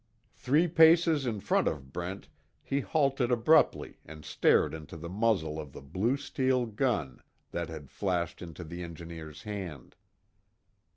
Three paces in front of Brent he halted abruptly and stared into the muzzle of the blue steel gun that had flashed into the engineer's hand.